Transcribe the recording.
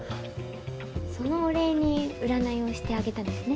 そのお礼に占いをしてあげたんですね。